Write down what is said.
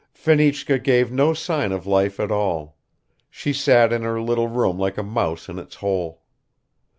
Fenichka gave no sign of life at all; she sat in her little room like a mouse in its hole.